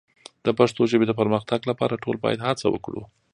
د پښتو ژبې د پرمختګ لپاره ټول باید هڅه وکړو.